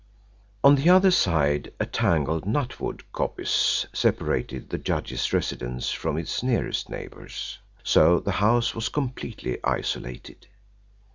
On the other side a tangled nutwood coppice separated the judge's residence from its nearest neighbours, so the house was completely isolated.